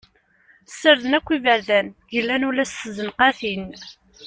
Ssarden akk iberdan, glan ula s tzenqatin.